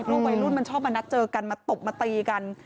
เพราะว่าวัยรุ่นมันชอบมานัดเจอกันมาตกมาตีกัน